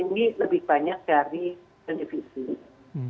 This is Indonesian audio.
ini lebih banyak dari televisi